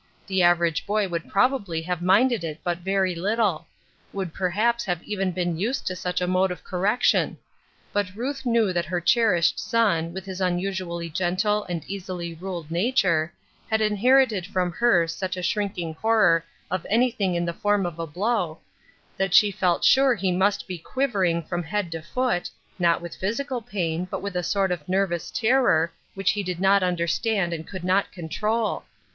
The average boy would probably have minded it but very little ; would perhaps have been used to such a mode of correction. But Ruth knew that her cherished son, with his unusually gentle and easily ruled nature, had inherited from her such a shrinking horror of anything in the form of a blow, that she felt sure he must be quivering from head to foot, not with physical pain, but with a sort of nervous terror, which he did not understand and could not control.